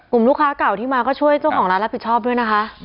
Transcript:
ลูกค้าเก่าที่มาก็ช่วยเจ้าของร้านรับผิดชอบด้วยนะคะ